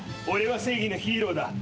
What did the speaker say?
俺は正義のヒーローだ。